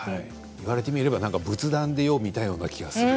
言われてみればよく仏壇で見たような気がする。